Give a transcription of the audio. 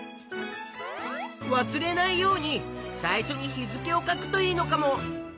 わすれないように最初に日付を書くといいのかも。